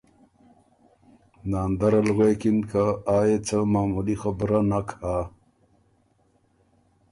ناندر ال غوېکِن ”که آ يې څه معمولي خبُره نک هۀ